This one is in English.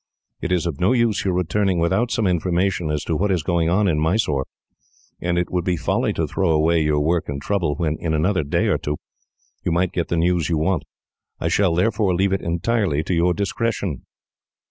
It is of no use your returning without some information as to what is going on in Mysore; and it would be folly to throw away your work and trouble, when, in another day or two, you might get the news you want. I shall, therefore, leave it entirely to your discretion."